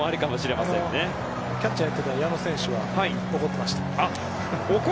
キャッチャーをやっていた矢野選手は怒っていました。